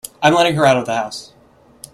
I'm letting her out of the house.